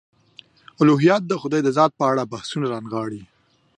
الهیات د خدای د ذات په اړه مبحثونه رانغاړي.